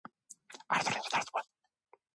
보다도 억지로 그의 자존심을 불러일으켰던 것이다.